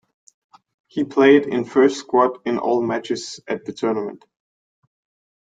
He played in first squad in all matches at the tournament.